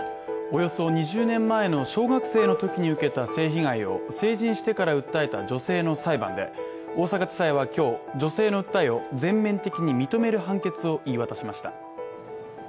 およそ２０年前の小学生のときに受けた性被害を成人してから訴えた女性の裁判で大阪地裁は今日、女性の訴えを全面的に認める判決を言い渡しました。